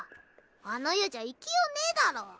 あの世じゃ行きようねぇだろ。